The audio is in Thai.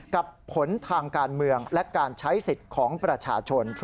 กับผลทางการเมืองและการใช้สิทธิ์ของประชาชน